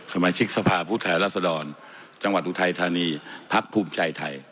สมาชิกสภาพผู้แทนรัศดรจังหวัดอุทัยธานีพักภูมิใจไทย